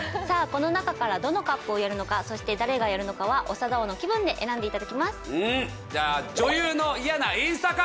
さあこの中からどのＣＵＰをやるのかそして誰がやるのかは長田王の気分で選んでいただきます。